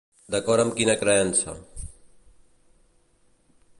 D'acord amb quina creença?